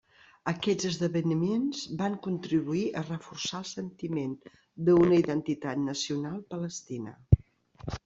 Aquests esdeveniments van contribuir a reforçar el sentiment d'una identitat nacional palestina.